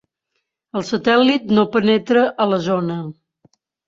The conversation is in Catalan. El satèl·lit no penetra a la zona.